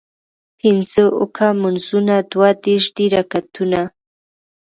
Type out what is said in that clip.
پينځۀ اوکه مونځونه دوه دېرش دي رکعتونه